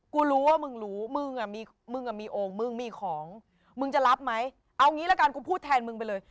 กูรู้ว่ามึงรู้มึงอ่ะมีมึงอ่ะมีโอ่งมึงมีของมึงจะรับไหมเอางี้ละกันกูพูดแทนมึงไปเลย